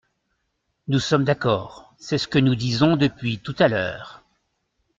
Nous sommes d’accord ! C’est ce que nous disons depuis tout à l’heure.